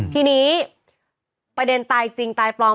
ทีนี้ประเด็นตายจริงตายปลอม